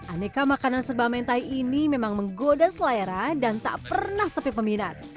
aneka makanan serba mentai ini memang menggoda selera dan tak pernah sepi peminat